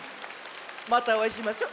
またおあいしましょ。